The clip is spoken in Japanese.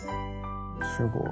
すごい。